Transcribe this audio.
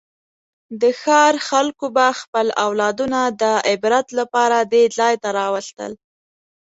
د ښار خلکو به خپل اولادونه د عبرت لپاره دې ځای ته راوستل.